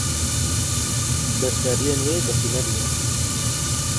Beşdariyên wê bi qîmet bûn.